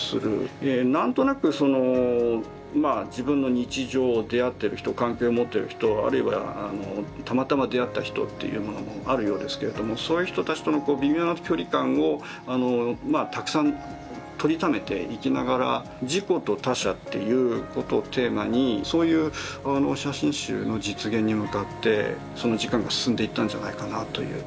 何となくそのまあ自分の日常出会ってる人関係を持ってる人あるいはたまたま出会った人というものもあるようですけれどもそういう人たちとの微妙な距離感をたくさん撮りためていきながら「自己」と「他者」ということをテーマにそういう写真集の実現に向かって時間が進んでいったんじゃないかなという。